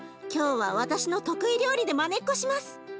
今日は私の得意料理でまねっこします！